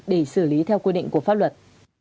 để xử lý theo quy định của pháp luật